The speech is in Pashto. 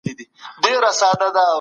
نيم له پوره څخه؛ کم دئ.